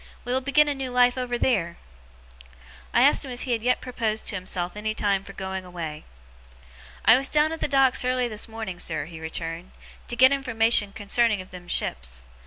We will begin a new life over theer!' I asked him if he yet proposed to himself any time for going away. 'I was down at the Docks early this morning, sir,' he returned, 'to get information concerning of them ships.